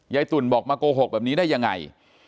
ตุ๋นบอกมาโกหกแบบนี้ได้ยังไง